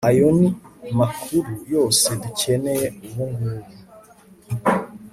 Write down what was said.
Ayo ni makuru yose dukeneye ubungubu